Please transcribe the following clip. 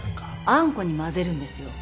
あんこに混ぜるんですよ。